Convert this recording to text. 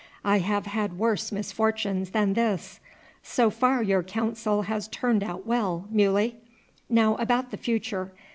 I have had worse misfortunes than this. So far your counsel has turned out well, Muley. Now about the future.